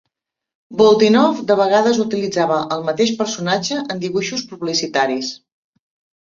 Boltinoff de vegades utilitzava el mateix personatge en dibuixos publicitaris.